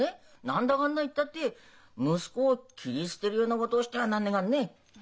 何だかんだ言ったって息子を切り捨てるようなことをしてはなんねがんね！